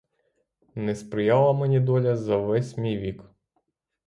Не сприяла мені доля за ввесь мій вік.